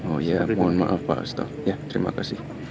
oh iya mohon maaf pak ustadz ya terima kasih